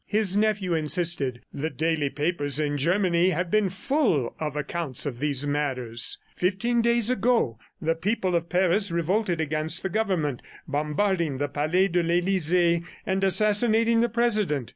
His nephew insisted. "The daily papers in Germany have been full of accounts of these matters. Fifteen days ago, the people of Paris revolted against the Government, bombarding the Palais de l'Elysee, and assassinating the President.